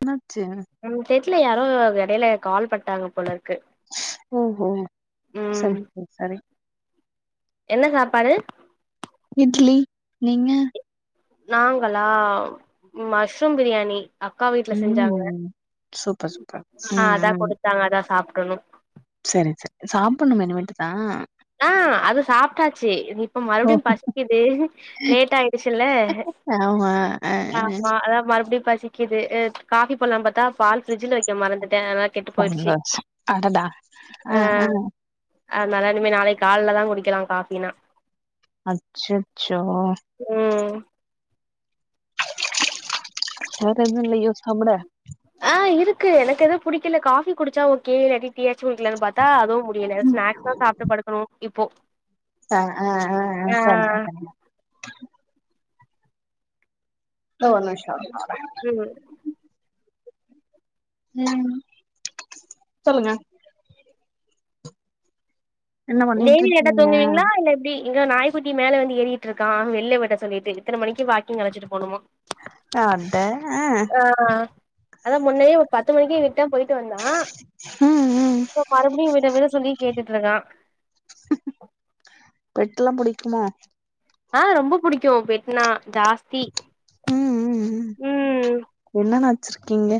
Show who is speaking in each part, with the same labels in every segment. Speaker 1: என்னாச்சு
Speaker 2: ம் தெர்ல யாரோ எடைல கால் பண்ட்டாங்க போல இருக்கு
Speaker 1: ஓ ஹோ
Speaker 2: ம்
Speaker 1: செரிப்பா செரி
Speaker 2: என்ன சாப்பாடு
Speaker 1: இட்லி நீங்க
Speaker 2: நாங்களா ம் மஷ்ரூம் பிரியாணி அக்கா வீட்ல செஞ்சாங்க
Speaker 1: ம் சூப்பர் சூப்பர்
Speaker 2: ஆ
Speaker 1: ம்
Speaker 2: அதா குடுத்தாங்க அதா சாப்டணு
Speaker 1: செரி செரி சாப்புட்ணுமா இனிமேட்டு தா
Speaker 2: ஆ அது சாப்ட்டாச்சு இது இப்ப மறுவடியு பசக்குது லேட் ஆயிடுச்சுல்ல
Speaker 1: ஆமா அ அ
Speaker 2: ஆமா அதா மறுபடியு பசிக் க்குது அ காஃபி போட்லான் பாத்தா பால் ஃபிரிட்ஜில வெக்க மறந்துட்டே அதா
Speaker 1: சந்தோஷ அடடா ஆ ஆ
Speaker 2: அதனால இனிமே நாளைக்கு கால்ல தா குடிக்கலா காஃபினா
Speaker 1: அச்சச்சோ
Speaker 2: ம்
Speaker 1: வேற எது இல்லயோ சாப்புட
Speaker 2: ஆ இருக்கு எனக்கு எது புடிக்கல காஃபி குடிச்சா ஓகே இல்லாட்டி டீ யாச்சு குடிக்கலான்னு பாத்தா அதுவு முடியல ஸ்னாக்ஸ் தா சாப்ட்டு படுக்கணு இப்போ
Speaker 1: ஆ ஆ ஆ ஆ செரிமா செரிமா இதோ ஒரு நிம்ஷ [unintelligible]
Speaker 2: ஏமா
Speaker 1: ம் சொல்லுங்க என்ன பண்ணிட்டு
Speaker 2: டெய்லி லேட்டா
Speaker 1: இருக்கீங்க
Speaker 2: தூங்குவீங்ளா இல்ல எப்டி இங்க நாய்குட்டி மேல வந்து ஏறிக்கிட்ருக்கா வெள்ல விட சொல்லிட்டு இத்தன மணிக்கு வாக்கிங் அழச்சிட்டு போனுமா
Speaker 1: அட ஆ
Speaker 2: ஆ அதா முன்னயே ஒ பத்து மணிக்கு விட்டா போயிட்டு வந்தா ஆ
Speaker 1: ம் ம்
Speaker 2: போ மறுபடியு விடு விட சொல்லி கேட்டுட்ருக்கா
Speaker 1: பெட் எல்லா புடிக்குமோ
Speaker 2: ஆ ரொம்ப புடிக்கு பெட் னா தாஸ்தி
Speaker 1: ம் ம் ம் என்னன்னா வச்ருக்கீங்க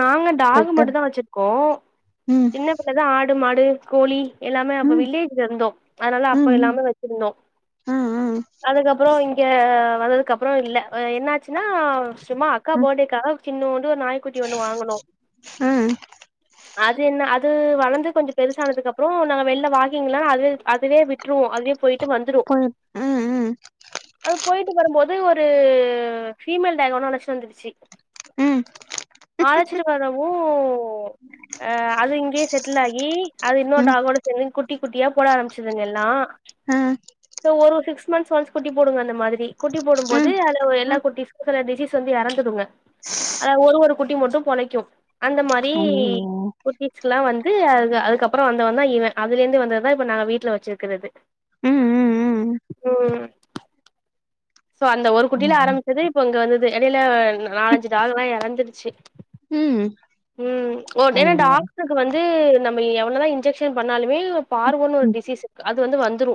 Speaker 2: நாங்க டாகு மட்டு தா வச்சிர்க்கோ
Speaker 1: ம்
Speaker 2: சின்ன பிள்ள தா ஆடு மாடு கோழி எல்லாமே அப்ப
Speaker 1: ம்
Speaker 2: வில்லேஜ்ல இருந்தோ அதனால அப்ப
Speaker 1: ம்
Speaker 2: எல்லாமே வெச்சிருந்தோ
Speaker 1: ம் ம்
Speaker 2: அதுக்கப்றோ இங் க வந்ததுக்கப்பறோ இல்ல ஒ என்னாச்சின்னா சும்மா அக்கா
Speaker 1: ம்
Speaker 2: பாடேக்காக சின்னூன்டு ஒரு நாய் குட்டி ஒன்னு வாங்குனோ
Speaker 1: ம்
Speaker 2: அது என்ன அத் து வளந்து கொஞ்சு பெருசானதுக்கப்றோ நாங்க வெள்ல வாக்கிங்குலா அது அதுவே விட்ருவோ அதுவே போயிட்டு வந்துரு
Speaker 1: போய் ம் ம்
Speaker 2: அது போய்ட்டு வரும்‌ போத் ஒரு ஃபிமேல் டாக் ஒன்னு அலச்னு வந்துடுச்சி
Speaker 1: ம்
Speaker 2: ஆலச்சிட்டு வரவூ ஆ அது இங்க்யே செட்டுல் ஆகி அது இன்னொர்
Speaker 1: ம்
Speaker 2: டாகோட செந்நு குட்டி குட்டியா போட ஆரம்ப்ச்சிதுங் எல்லா
Speaker 1: ஆ
Speaker 2: சோ ஒரு சிக்ஸ் மந்ஸ் வன்ஸ் குட்டி போடு அந்த மாதிரி குட்டி போடும் போது
Speaker 1: ம்
Speaker 2: அதுல ஒ எல்லா
Speaker 1: ம்
Speaker 2: குட்டிஸ் சில டிசீஸ் வந்து யறந்துடுங்க அத ஒரு ஒரு குட்டி மட்டு பொழைக்கு அந்த மாரி
Speaker 1: ஐயோ
Speaker 2: குட்டீஸ்க்லா வந்து அதுக அதுக்கப்பறோ வந்தவன் தா இவெ அதுலேந்து வந்தது தா இப்போ நாங்க வீட்ல வெச்சிர்க்குறது
Speaker 1: ம் ம் ம்
Speaker 2: ம் சோ அந்த ஒரு குட்டில
Speaker 1: ம்
Speaker 2: ஆரம்பிச்சது இப்போ இங்க வந்தது எடைய்ல நாலஞ்சு டாகுலா எறந்துடுச்சி
Speaker 1: ம்
Speaker 2: ம் ஓ டேனா
Speaker 1: ஐயோ
Speaker 2: டாக்ஸ்க்கு வந்து நம்ம எவ்ளோதா இன்ஜெஷ் எ பண்ணாலுமே பார்வோனு ஒரு
Speaker 1: ம்
Speaker 2: டிசீஸ் இருக்கு அது வந்து வந்துரு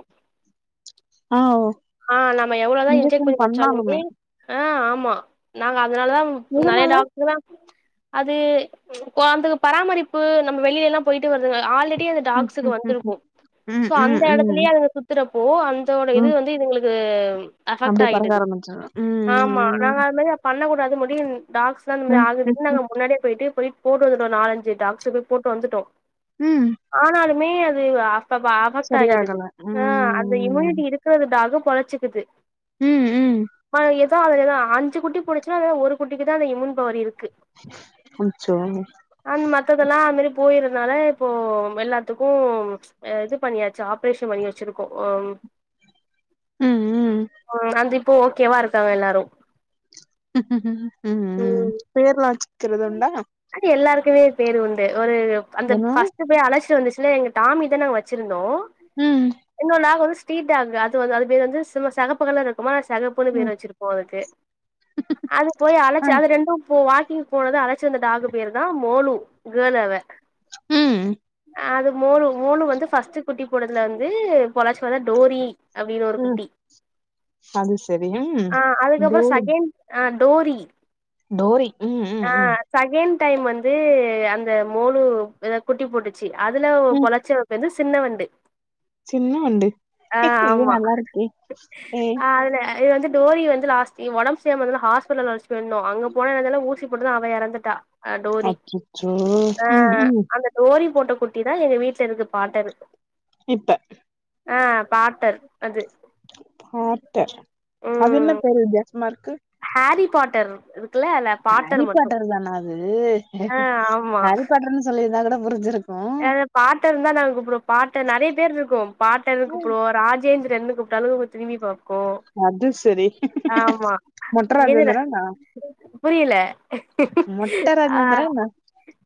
Speaker 1: ஆ ஓ
Speaker 2: ஆ நம்ம எவ்வளோதா இன்ஜக்
Speaker 1: இன்ஜெக்ஷன்
Speaker 2: பண்ணி வச்சாலுமே
Speaker 1: பண்ணாலுமே
Speaker 2: ஆ ஆமா நாங்க அதுனாலவ் நறையா
Speaker 1: எதனால
Speaker 2: டாக்ட்ரு தா அது போ அன்துக்கு பராமரிப்பு நம்ம வெளியெல்லா போய்ட்டு வருதுங்க ஆல்ரெடி அந்தட்
Speaker 1: ம்
Speaker 2: டாக்ஸுக்கு
Speaker 1: ம் ம்
Speaker 2: வந்துருக்கு
Speaker 1: ம்
Speaker 2: சோ
Speaker 1: ம்
Speaker 2: அந்த எடத்துலே
Speaker 1: ம்
Speaker 2: அது சுத்துறப்போ அந்தோட இது வந்து இதுங்ளுக் து அம் அ
Speaker 1: அப்டி பறக்க ஆரம்பிச்சனா உம்
Speaker 2: ஆமா நாங்க அது மாரியா பண்ணக்கூடாது முடின் டாக்ஸ்ல்லா அந்த
Speaker 1: ம்
Speaker 2: மாரிஆகுது
Speaker 1: ம்
Speaker 2: என்ன
Speaker 1: ம்
Speaker 2: நாங்க முன்னாடே போய்ட்டு போய்ட் போட்டு வந்துட்டோ நாலஞ்சு டாக்ஸு போய் போட்டு வந்துட்டோ
Speaker 1: ம்
Speaker 2: ஆனாலுமே அது அஃபப் அவக்ட் ஆகிடுது
Speaker 1: சரியாகல
Speaker 2: ஆ அந்த
Speaker 1: ம்
Speaker 2: இம்யூனிட்டி இரு சோ அந்த டாகு பொழச்சிக்குது
Speaker 1: ம் ம்
Speaker 2: ப ஏதோ அதுல எதா அஞ்சி குட்டி போடுச்சுனா ஏ யோ ஒரு குட்டிக்கிதா அந்த இமுன் பவர் இருக்கு
Speaker 1: ஆச்சோ
Speaker 2: அந் மத்தத்தல்லா அதுமாரி போய்றத்னால இப்போம் எல்லாத்துக்கு ஆ இது பண்ணியாச்சு ஆப்ரேஷன் பண்ணி வச்சிருக்கோ ஓம்
Speaker 1: ம் ம்
Speaker 2: ஒம் அந்த் இப்போ ஓகேவா இருக்காங் எல்லாரு
Speaker 1: ம் ம் பேர்லா வச்க்குறத் உண்டா
Speaker 2: அது எல்லார்க்குவே பேரு உண்டு ஒரு அந்தப்
Speaker 1: என்ன
Speaker 2: ஃபஸ் கு போய் அழைச்ட்டு வந்துச்சுலே எங்க டாமி தா நாங் வச்சிருந்தோ
Speaker 1: ம் ஹு
Speaker 2: இன்னொரு நாக் வந்து ஸ்ட்ரீட் டாக்கு அது வந்து அது பேர் வந்து சும்மா செகப்பு கலரு சும்மா செகப்புன்னு பேர்
Speaker 1: ம்
Speaker 2: வச்சிருக்கோ அதுக்கு அது போய்
Speaker 1: ஆ
Speaker 2: அழைச்ச அது ரெண்டும் போ வா போனது அழைச்சு வந்த டாகு பேரு தா மோலு [unintelligible]
Speaker 1: ம்
Speaker 2: அது மோலு மோலு வந்து ஃபஸ்ட்டு குட்டி போட்டுதுல வந்து பொலாச்சுல டோரி அப்டின்னு ஒரு
Speaker 1: ம்
Speaker 2: குட்டி
Speaker 1: அது சரி ம்
Speaker 2: ஆ அதுக்கப்புற
Speaker 1: டோரி
Speaker 2: செகெண்ட் ஆ டோரி
Speaker 1: டோரி ம் ம் ம்
Speaker 2: செகண்ட் டைம் வந்து அந்த மோலு வேற குட்டி போட்டுச்சு அதுல
Speaker 1: ம்
Speaker 2: பொழச்ச வந்து சின்ன வண்டு
Speaker 1: சின்ன வண்டு
Speaker 2: ஆ
Speaker 1: இது
Speaker 2: ஆமா
Speaker 1: நல்லா இருக்கே ஏ
Speaker 2: ஆ அதுல இது வந்து டோரி வந்து லாஸ்ட் ஒடம்பு சரியில்லாமருந்தால ஹாஸ்பிட்டல் அழச்சு போயிருந்தோ அங்க போனதுல ஊசி போட்டுது அவ எறந்துட்டா ஆ டோரி
Speaker 1: அச்சச்சோ
Speaker 2: ஆ
Speaker 1: ம் ம்
Speaker 2: அந்த டோரி போட்ட குட்டி தா எங்க வீட்ல இருக்கு பாட்டரு
Speaker 1: இப்ப
Speaker 2: ஆ பாட்
Speaker 1: பாட்டர் அது என்ன
Speaker 2: ம்
Speaker 1: பேர் வித்தியாசமாருக்கு
Speaker 2: ஹாரி பாட்டர் இருக்குல்ல அதுல
Speaker 1: ஹரி
Speaker 2: மட்டு
Speaker 1: பாட்டர் தானா அது
Speaker 2: ஆ ஆமா
Speaker 1: ஹாரி பாட்டர்ன்னனு சொல்லிருந்தா கூட புரிஞ்சிருக்
Speaker 2: அது பாட்டர்னு தா நாங்க கூப்புறோ பாட்டர் நெறைய பேர் இருக்கு பாட்டர்னு கூப்டுவோ ராஜேஞ்சு தர்னு கூப்ட்டாலு திரும்பி பாக்கு
Speaker 1: அது சரி மொட்ட
Speaker 2: எதுல
Speaker 1: ராஜேந்திரனா
Speaker 2: புரியல
Speaker 1: மொட்ட
Speaker 2: ஆ
Speaker 1: ராஜேந்திரனா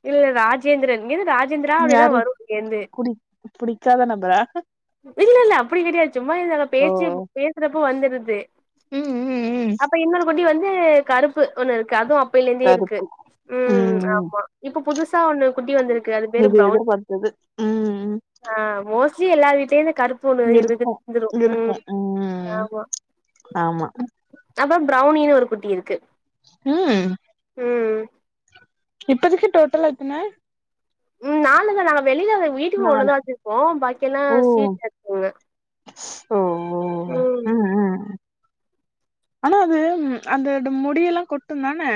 Speaker 2: இல்ல ராஜேந்திரன் இது ராஜேந்திரா அப்டின்னா
Speaker 1: யாரு
Speaker 2: வரு அங்கேருந்து
Speaker 1: குடி புடிக்காத நபரா
Speaker 2: இல்லல்ல அப்டி கெடையாது சும்மா இத
Speaker 1: ஓ
Speaker 2: பேச்சு பேச் சுறப்போ வந்துடுது
Speaker 1: ம் ம் ம்
Speaker 2: அப்ப இன்னொரு குட்டி வந்து கருப்பு ஒண்ணு இருக்கு அதுவு அப் பையிலேருந்தே இருக்கு
Speaker 1: கருப்பு
Speaker 2: ம் ஆமா இப்ப புதுசா ஒண்ணு குட்டி வந்துருக்கு அதுக்
Speaker 1: இது எதிர்பார்த்தது ம்
Speaker 2: ஆ மோஸ்லி எல்லா வீட்டலேந்து கருப் முன்பு இதுக்கு
Speaker 1: இருக்கு
Speaker 2: வந்துரு
Speaker 1: இருக்கு
Speaker 2: ம்
Speaker 1: ம்
Speaker 2: ஆமா
Speaker 1: ஆமா
Speaker 2: ம் அப்ப பிரவுனினு ஒரு குட்டி இருக்கு
Speaker 1: ம்
Speaker 2: ம்
Speaker 1: இப்போதிக்கு டோட்டலா எத்தன
Speaker 2: ம் நாாலு தா நாங்க வெளியில வீட்டுக்குள்ள ஒன்னு
Speaker 1: நாலு
Speaker 2: தா வச்சிருப்போ பாக்கி எல்லா
Speaker 1: ஓ
Speaker 2: சீட்ல இருக்குங்க
Speaker 1: ஓ ஓ
Speaker 2: ம்
Speaker 1: ஆனா அது அந்தட முடியெல்லா கொட்டுந் தானே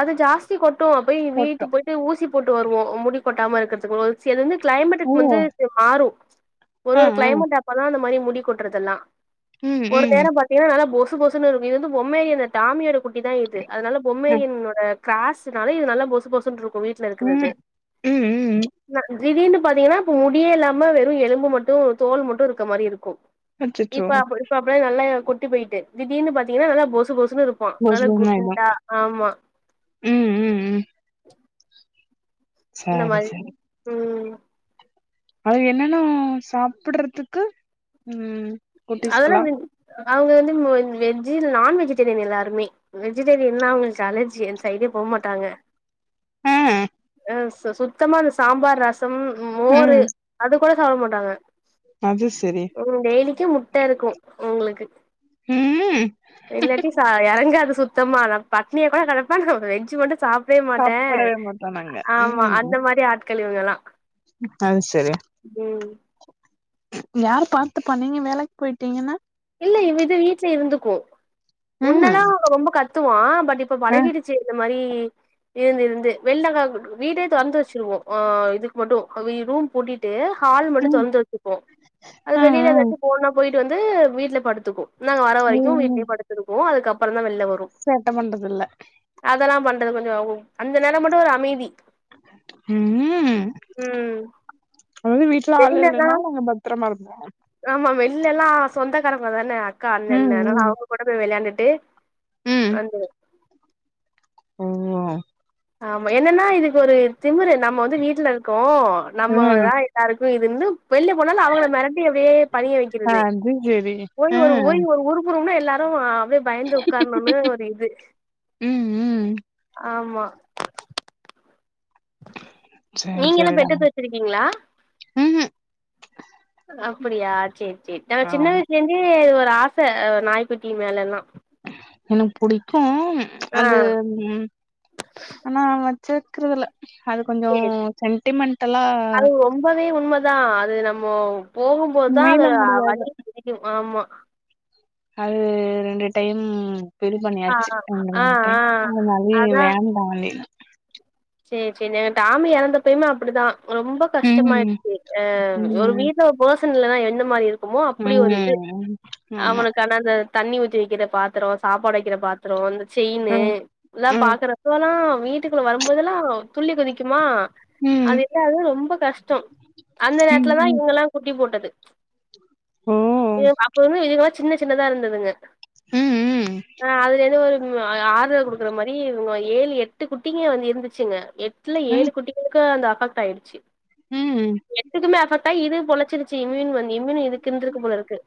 Speaker 2: அது ஜாஸ்தி கொட்டு நா போய் வீட்டு போயிட்டு ஊசி போட்டு வருவோ முடி கொட்டாம இருக்கறதுக்கு சி எதுமே
Speaker 1: ஓ
Speaker 2: கிளைமேடக்கு வந்து மாறும் ஒரு
Speaker 1: ஆ
Speaker 2: ஒரு
Speaker 1: ஆ
Speaker 2: கிளைமேட் அப்பதா அந்த மாரி முடி கொட்டுறதெல்லா
Speaker 1: ம்
Speaker 2: ஒரு நேர
Speaker 1: ம்
Speaker 2: பாத்தீங்கன்னா நல்லா பொசு பொசுன்னு இருக்கு இது வந்து பொம்மையினு டாமி ஓட குட்டி தா இது அதனால
Speaker 1: அ
Speaker 2: பொம்மேயன் இந்த காசுனால இது நல்லா பொசு பொசுனு இருக்கு வீட்டுல இருக்கிறது
Speaker 1: ம் ம் ம்
Speaker 2: திடீர்னு பாத்தீங்கன்னா இப்ப முடியே இல்லாம வெறும் எலும்பு மட்டும் தோல் மட்டும் இருக்கற மாரி இருக்கும்
Speaker 1: அச்சச்சோ
Speaker 2: இப்ப அப் இப்ப அப்படாம் நல்லா கொட்டி போயிட்டு திடீர்னு பாத்தீங்கன்னா நல்லா‌போசு போசன்னு இரு
Speaker 1: புஸ்
Speaker 2: நல்ல
Speaker 1: புஸ்னு ஆயிடு
Speaker 2: குண்டா ஆமா
Speaker 1: ம் ம் ம்
Speaker 2: இந்த
Speaker 1: சரி
Speaker 2: மாரி
Speaker 1: சரி
Speaker 2: ம்
Speaker 1: அது என்னென்னா சாப்பட்றதுக்கு ம்
Speaker 2: அதெல்லா
Speaker 1: குட்டீஸ்கெல்லா
Speaker 2: அவங்க வந்து இ நான்வெஜிடேரியன் எல்லாருமே வெஜிடேரியன்னா அவங்களுக்கு அலர்ஜி அந்த சைடே போ மாட்டாங்க
Speaker 1: அ
Speaker 2: சுத்தமா அந்த சாம்பார் ரசம் மோரு
Speaker 1: ம்
Speaker 2: அது கூட சாப்ட மாட்டாங்க
Speaker 1: அது செரி
Speaker 2: ம் டெய்லிக்கு முட்ட இருக்கு உங்களுக்கு
Speaker 1: ம்
Speaker 2: இல்லாட்டி சா எறங்காது சுத்தமா நா பட்னியா கூட கடப்ப நா வெஜ்ஜு மட்டு சாப் வே மாட்ட
Speaker 1: சாப்படவே மாட்டோ நாங்க
Speaker 2: ஆமா
Speaker 1: ம்
Speaker 2: அந்த மாரி ஆட்கள் இவகல்லா
Speaker 1: அது சரி யார் பாத்து பண்ணீங்க வேலைக்கு போயிட்டீங்கன்னா
Speaker 2: இல்ல இ இது வீட்ல இருந்துக்கு
Speaker 1: ம்
Speaker 2: முன்னல்லா ரொம்ப கத்துவா பட் இப்ப
Speaker 1: அ
Speaker 2: பழகிடுச் சரி இந்த மாரி இருந்து இருந்து வெள்ளக்கா வீடே தொறந்து வச்சுருவோ இதுக்கு மட்டு ரூம் போட்டீட்டு ஹால் மட்டு
Speaker 1: ம்
Speaker 2: தொறந்து வச்சுப்போ அது
Speaker 1: அ
Speaker 2: வெளில
Speaker 1: அ
Speaker 2: வச்சு போனா போயிட்டு வந்து வீட்ல படுத்துக்கு நாங்க வர வரைக்கு
Speaker 1: ம்
Speaker 2: வீட்டயே படுத்திருக்கு அதுக்கப்பறோ தா வெள்ல வரு
Speaker 1: சேட்ட பண்றதில்ல
Speaker 2: அதெல்லா பண்றது கொஞ்சோ ஆவு அந்த நேரம் மட்டு ஒரு அமைதி
Speaker 1: ம்
Speaker 2: ம்
Speaker 1: அதாவது வீட்ல ஆள்
Speaker 2: வெளிலல்லா
Speaker 1: இல்லன்னா நாங்க பத்ரமா இருப்போ
Speaker 2: ஆமா வெள்ள எல்லா சொந்தக்காரங்க தான அக்கா
Speaker 1: ம்
Speaker 2: அண்ணன்ன அதனால
Speaker 1: ம்
Speaker 2: அவுங்க கூட போய் விளையாண்டுட்டு
Speaker 1: ம்
Speaker 2: அந்துரு
Speaker 1: ஓ
Speaker 2: ஆமா என்னன்னா இதுக்கு ஒரு திமுறு நம்ம வந்து வீட்ல இருக்கோ
Speaker 1: ம்
Speaker 2: நம்மதா யாருக்கு இதுன்னு வெள்ல போனாலு அவங்கள மெரட்டி அப்டியே பணிய வைக்கிறது
Speaker 1: அது சரி
Speaker 2: போய்
Speaker 1: அ
Speaker 2: ஒரு ஓய் ஒரு ஊரு ரும்னா எல்லாரு அப்டே பயந்து உக்காரணுனு ஒரு இது
Speaker 1: ம் ம்
Speaker 2: ஆமா
Speaker 1: சரி
Speaker 2: நீங்க எல்லா
Speaker 1: சரிடா
Speaker 2: பெட்டத்து வச்சிருக்கீங்களா
Speaker 1: ம்ஹூம்
Speaker 2: அப்டியா சரி சரி நம சின்ன
Speaker 1: ஆமா
Speaker 2: வயசுல இருந்தே ஒரு ஆச நாய்குட்டி மேலல்லா
Speaker 1: எனக்கு புடிக்கும்
Speaker 2: ஆ
Speaker 1: அது ம் ஆனா வச்சிருக்கிறதுல அது கொஞ்சோ
Speaker 2: சேரி
Speaker 1: சென்டிமெண்டல்லா
Speaker 2: ரொம்பவே உண்மதா அது நம்ம போகும்போதா
Speaker 1: மீள
Speaker 2: அது
Speaker 1: முடியா
Speaker 2: வலி துடிக்கும் ஆமா
Speaker 1: அது, ரெண்டு டைம் இது
Speaker 2: ஆ
Speaker 1: பண்ணியாச்சு ரெண்டு
Speaker 2: ஆ
Speaker 1: மூணு
Speaker 2: ஆ
Speaker 1: டைம் அதனாலே பாண்லே
Speaker 2: சரி சரி எங்க டாமி எறந்தப்பயுமே அப்டிதா ரொம்ப
Speaker 1: ம்
Speaker 2: கஷ்டமாயிருச்சு அ ஒரு
Speaker 1: ம்
Speaker 2: வீட்ல பேர்சன் ல்லா என்ன மாரி இருக்குமோ அப்டி ஒரு இது
Speaker 1: ம் ஆமா
Speaker 2: அவனுக்கான அந்த தண்ணி ஊத்தி வெக்கிற பாத்தரோ, சாப்பாடு வெக்கிற பாத்தரோ, இந்த செயினு
Speaker 1: ம்
Speaker 2: இதா பாக்கரப்போலா வீட்டுக்குள்ள வரம்போதெல்லா துள்ளி குதிக்குமா
Speaker 1: ம் ம்
Speaker 2: அது, ரொம்ப கஷ்டோ அந்த
Speaker 1: ம்
Speaker 2: நேரத்துலதா
Speaker 1: ம்
Speaker 2: இவங்கெல்லா குட்டி போட்டது.
Speaker 1: ஓ
Speaker 2: அப்பவு இதுங்கெல்லா சின்ன சின்னதா இருந்துதுங்க.
Speaker 1: ம் ம்
Speaker 2: ஆ அதுல எதோ ஒரு ஆதரவு குடுக்குற மாரி ஏழு, எட்டு குட்டிங்க வந்து இருந்துச்சுங்க எட்டுல
Speaker 1: ம்
Speaker 2: ஏழு குட்டிகங்களுக்கு அந்த அஃபெக்ட் ஆய்டுச்சு.
Speaker 1: ம்
Speaker 2: எட்டுக்குமே அஃபெக்ட் ஆயி இது பொழச்சிருச்சு இம்யூன் வந்து இம்யூன் இதுக்கிருந்திருக்கு போல இருக்கு.